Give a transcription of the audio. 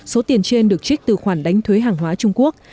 số tiền trên được trích từ khoản đánh thuế hàng hóa trung quốc